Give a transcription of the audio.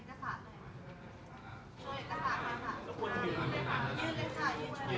ข้างข้างไม่ได้ข้างข้างไม่ได้